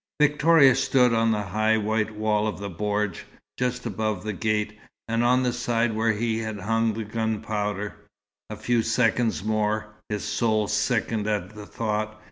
Victoria stood on the high white wall of the bordj, just above the gate, on the side where he had hung the gunpowder. A few seconds more his soul sickened at the thought.